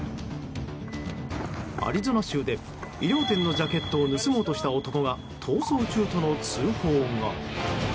アリゾナ州で衣料店のジャケットを盗もうとした男が逃走中との通報が。